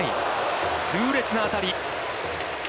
痛烈な当たり。